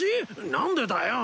何でだよ。